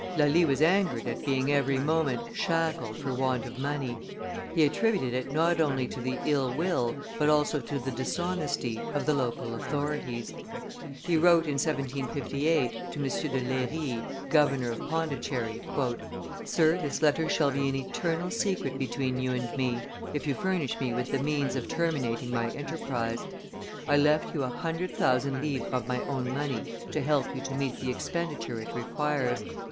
Lally was angered at being every moment shackled for want of money; he attributed it not only to the ill will, but also to the dishonesty, of the local authorities. He wrote, in 1758, to M. de Leyrit, Governor of Pondicherry, "Sir, this letter shall be an eternal secret between you and me, if you furnish me with the means of terminating my enterprise. I left you a hundred thousand livres of my own money to help you to meet the expenditure it requires.